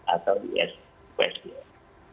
atau is usgs